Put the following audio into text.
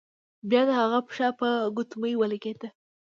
بیا د هغه پښه په ګوتمۍ ولګیده.